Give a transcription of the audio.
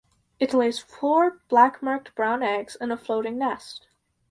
It lays four black-marked brown eggs in a floating nest.